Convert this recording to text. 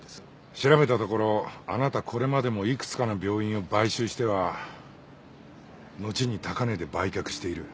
調べたところあなたこれまでもいくつかの病院を買収してはのちに高値で売却している。